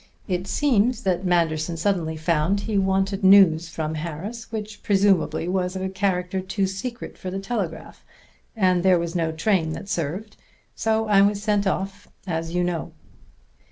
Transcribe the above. It seems that Manderson suddenly found he wanted news from Harris which presumably was of a character too secret for the telegraph; and there was no train that served; so I was sent off as you know."